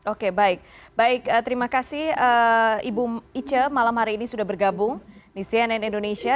oke baik baik terima kasih ibu ice malam hari ini sudah bergabung di cnn indonesia